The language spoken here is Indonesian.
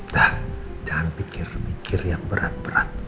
dah jangan pikir pikir yang berat berat